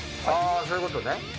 あそういうことね。